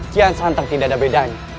kian santang tidak ada bedanya